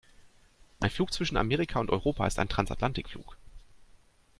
Ein Flug zwischen Amerika und Europa ist ein Transatlantikflug.